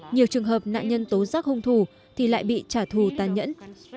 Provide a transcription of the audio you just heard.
nhiều trường hợp nạn nhân tố rắc hung thủ thì lại bị trả thù tàn nhẫn